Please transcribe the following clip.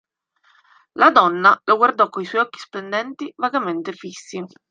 La donna lo guardò coi suoi occhi splendenti, vagamente fissi.